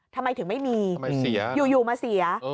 ทำไมถึงไม่มีอยู่มาเสีย